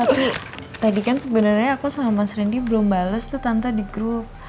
tapi tadi kan sebenarnya aku sama mas randy belum bales tuh tante di grup